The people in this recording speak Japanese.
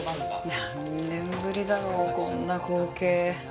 何年ぶりだろうこんな光景。